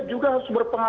hukum yang tidak berhenti